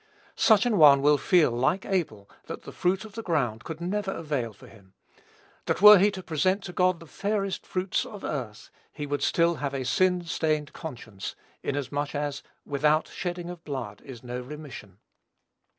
Such an one will feel, like Abel, that the fruit of the ground could never avail for him; that were he to present to God the fairest fruits of earth, he would still have a sin stained conscience, inasmuch as "without shedding of blood is no remission."